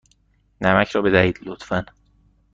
نمک را بدهید، لطفا.